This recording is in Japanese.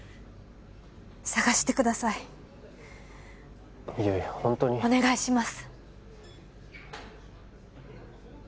捜してください悠依ホントにお願いします